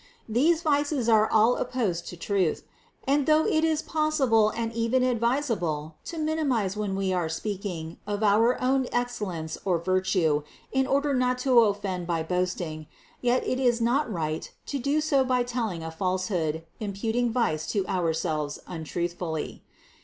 These vices are all opposed to truth; and though it is possible and even advisable to minimize when we are speaking of our own excellence or THE CONCEPTION 435 virtue in order not to offend by boasting, yet it is not right to do so by telling a falsehood, imputing vice to ourselves untruthfully.